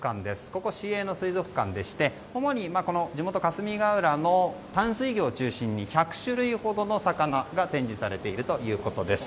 ここ市営の水族館でして主に地元・霞ヶ浦の淡水魚を中心に１００種類ほどの魚が展示されているということです。